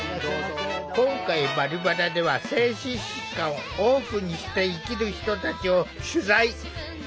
今回「バリバラ」では精神疾患をオープンにして生きる人たちを取材。